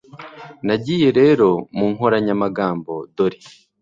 nagiye rero mu nkoranyamagambo, dore